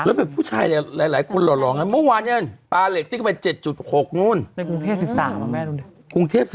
แล้วแบบผู้ชายหลายคนหล่องั้นเมื่อวานเนี่ยปลาเหล็กติ๊กไป๗๖นู่น